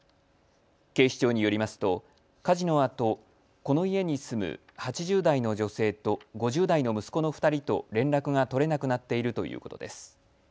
警視庁によりますと火事のあとこの家に住む８０代の女性と５０代の息子の２人と連絡が取れなくなっているということです。